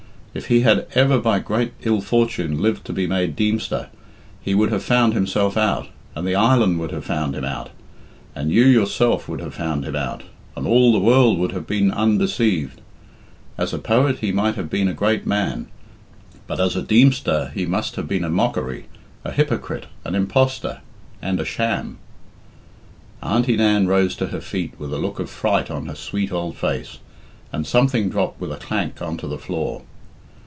If he had ever by great ill fortune lived to be made Deemster, he would have found himself out, and the island would have found him out, and you yourself would have found him out, and all the world would have been undeceived. As a poet he might have been a great man, but as a Deemster he must have been a mockery, a hypocrite, an impostor, and a sham." Auntie Nan rose to her feet with a look of fright on her sweet old face, and something dropped with a clank on to the floor.